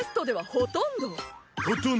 ほとんど？